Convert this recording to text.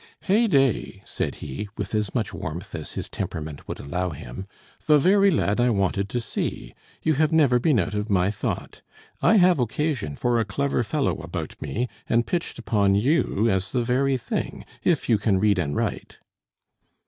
"Heyday!" said he, with as much warmth as his temperament would allow him, "the very lad I wanted to see; you have never been out of my thought. I have occasion for a clever fellow about me, and pitched upon you as the very thing, if you can read and write."